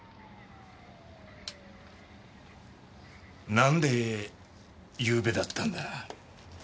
なんで昨夜だったんだ？